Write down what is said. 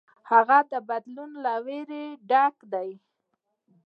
هغه د بدلون له ویرې ډک دی.